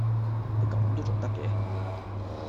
你噉都重得嘅